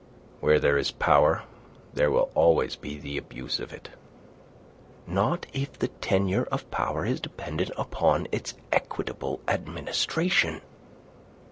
"Where there is power there will always be the abuse of it." "Not if the tenure of power is dependent upon its equitable administration."